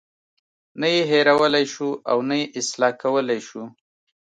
نه یې هیرولای شو او نه یې اصلاح کولی شو.